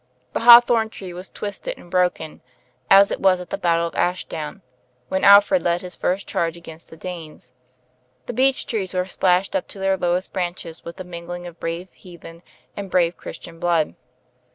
The hawthorn tree was twisted and broken, as it was at the Battle of Ashdown, when Alfred led his first charge against the Danes. The beech trees were splashed up to their lowest branches with the mingling of brave heathen and brave Chris tian blood.